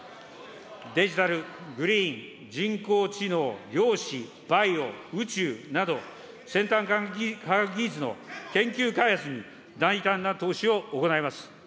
デジタル、グリーン、人工知能、量子、バイオ、宇宙など、先端科学技術の研究開発に大胆な投資を行います。